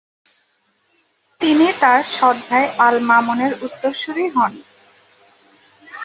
তিনি তার সৎভাই আল মামুনের উত্তরসুরি হন।